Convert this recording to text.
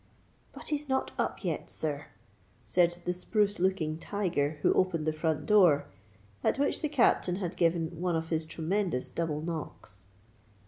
"But he's not up yet, sir," said the spruce looking tiger who opened the front door at which the Captain had given one of his tremendous double knocks.